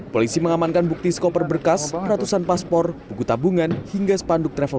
polisi mengamankan bukti skoper berkas ratusan paspor buku tabungan hingga spanduk travel